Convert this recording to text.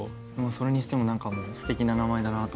それにしてもすてきな名前だなと。